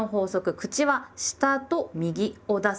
「口は下と右を出す」。